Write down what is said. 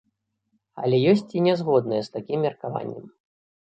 Але ёсць і нязгодныя з такім меркаваннем.